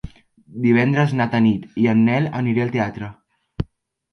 Divendres na Tanit i en Nel aniré al teatre.